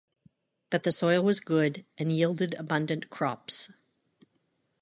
But the soil was good and yielded abundant crops.